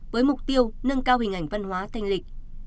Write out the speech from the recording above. với mục tiêu nâng cao hình ảnh văn hóa thanh lịch